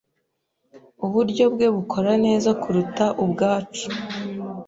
Uburyo bwe bukora neza kuruta ubwacu. (verdulo)